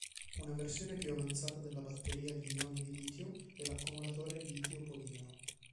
Una versione più avanzata della batteria agli ioni di litio è l'accumulatore litio-polimero.